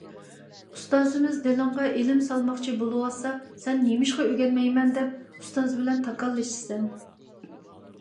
ئۇستازىمىز دىلىڭغا ئىلىم سالماقچى بولۇۋاتسا، سەن نېمىشقا ئۆگەنمەيمەن دەپ، ئۇستاز بىلەن تاكاللىشىسەن؟